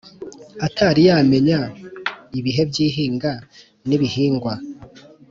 atari yamenya ibihe by ihinga n ibihingwa